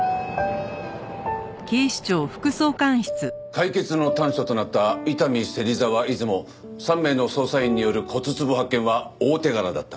解決の端緒となった伊丹芹沢出雲３名の捜査員による骨壺発見は大手柄だった。